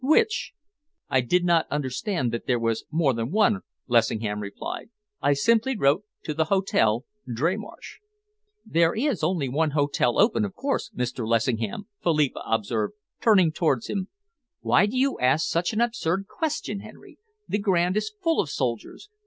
"Which?" "I did not understand that there was more than one," Lessingham replied. "I simply wrote to The Hotel, Dreymarsh." "There is only one hotel open, of course, Mr. Lessingham," Philippa observed, turning towards him. "Why do you ask such an absurd question, Henry? The 'Grand' is full of soldiers.